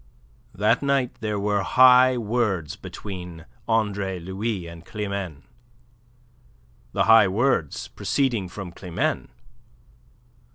That night there, were high words between Andre Louis and Climene, the high words proceeding from Climene.